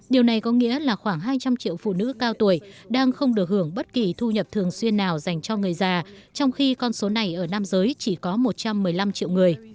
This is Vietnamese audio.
điều này có nghĩa là khoảng hai trăm linh triệu phụ nữ cao tuổi đang không được hưởng bất kỳ thu nhập thường xuyên nào dành cho người già trong khi con số này ở nam giới chỉ có một trăm một mươi năm triệu người